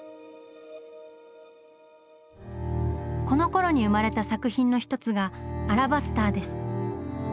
このころに生まれた作品の一つが「アラバスター」です。